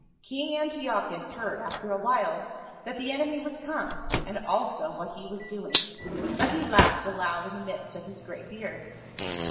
" King Antiochus heard after a while that the enemy was come, and also what he was doing, but he laughed aloud in the midst of his great beard.